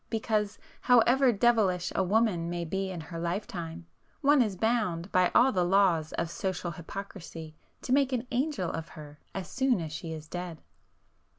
Because, however devilish a woman may be in her life time, one is bound by all the laws of social hypocrisy to make an angel of her as soon as she is dead!